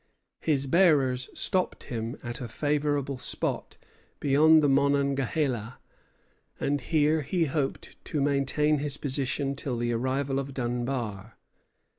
His bearers stopped with him at a favorable spot beyond the Monongahela; and here he hoped to maintain his position till the arrival of Dunbar.